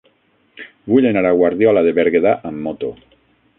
Vull anar a Guardiola de Berguedà amb moto.